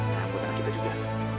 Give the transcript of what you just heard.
dan buat anak kita juga